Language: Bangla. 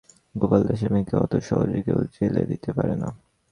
গোপাল দাসের মেয়েকে অত সহজে কেউ জেলে দিতে পারে না।